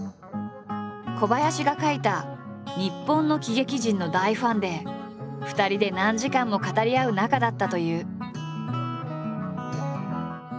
小林が書いた「日本の喜劇人」の大ファンで２人で何時間も語り合う仲だったという。